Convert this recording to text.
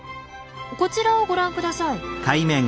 こちらをご覧ください。